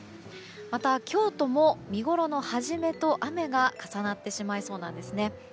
また、京都も見ごろの始めと雨が重なってしまいそうなんですね。